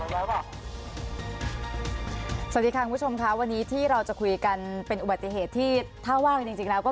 สวัสดีค่ะคุณผู้ชมค่ะวันนี้ที่เราจะคุยกันเป็นอุบัติเหตุที่ถ้าว่ากันจริงแล้วก็